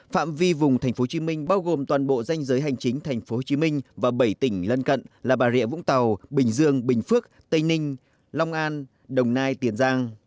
phạm vi vùng tp hcm bao gồm toàn bộ danh giới hành chính tp hcm và bảy tỉnh lân cận là bà rịa vũng tàu bình dương bình phước tây ninh long an đồng nai tiền giang